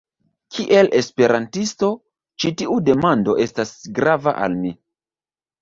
Kiel Esperantisto, ĉi tiu demando estas grava al mi.